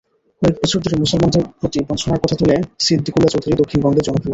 কয়েক বছর ধরে মুসলমানদের প্রতি বঞ্চনার কথা তুলে সিদ্দিকুল্লা চৌধুরী দক্ষিণবঙ্গে জনপ্রিয়।